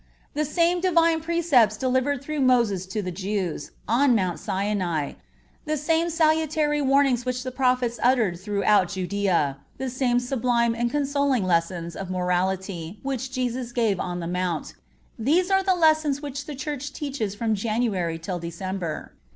The same Divine precepts delivered through Moses to the Jews, on Mount Sinai, the same salutary warnings which the Prophets uttered throughout Judea, the same sublime and consoling lessons of morality which Jesus gave on the Mount—these are the lessons which the Church teaches from January till December.